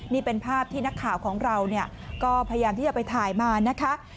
นี่เป็นภาพที่นักข่าวของเราก็พยายามที่จะไปถ่ายมานะคะ